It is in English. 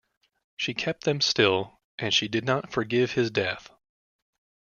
She kept them still, and she did not forgive his death.